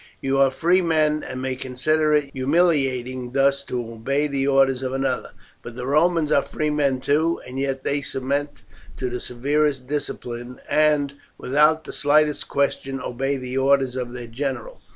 You are free men, and may consider it humiliating thus to obey the orders of another; but the Romans are free men too, and yet they submit to the severest discipline, and without the slightest question obey the orders of their general.